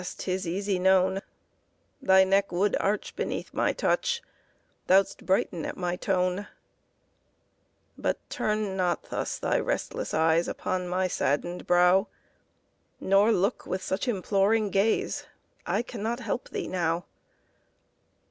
'tis easy known Thy neck would arch beneath my touch, Thou'dst brighten at my tone; But turn not thus thy restless eyes Upon my saddened brow, Nor look with such imploring gaze I cannot help thee now.